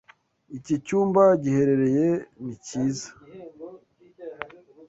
Iki cyumba giherereye ni cyiza.